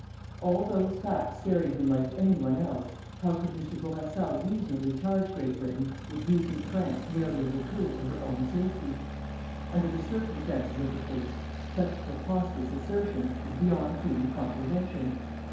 All those facts staring him like any one else, how could Mr. Bourassa reasonably charge Great Britain with using France merely as a tool for her own safety. Under the circumstances of the case, such a preposterous assertion is beyond human comprehension.